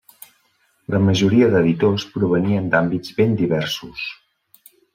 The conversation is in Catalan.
La majoria d'editors provenien d'àmbits ben diversos.